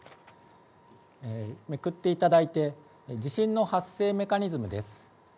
めくっていただいて地震の発生メカニズムです。